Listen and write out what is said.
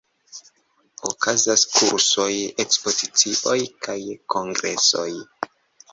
Okazas kursoj, ekspozicioj kaj kongresoj.